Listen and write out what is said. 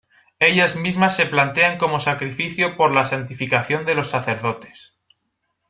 Ellas mismas se plantean como sacrificio por la santificación de los sacerdotes.